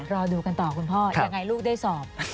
รอดูกันต่อคุณพ่อยังไงลูกได้สอบ